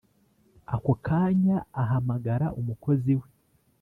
ako kanya ahamgara umukozi we